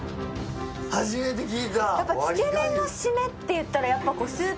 初めて聞いた。